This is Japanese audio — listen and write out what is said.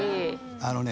あのね